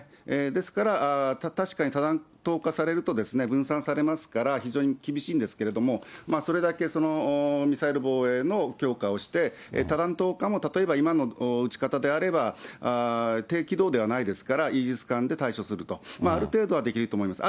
ですから、確かに多弾頭化されると、分散されますから、非常に厳しいんですけども、それだけそのミサイル防衛の強化をして、多弾頭化も、例えば今の撃ち方であれば、低軌道ではないですから、イージス艦で対処すると、ある程度はできると思います。